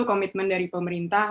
komitmen dari pemerintah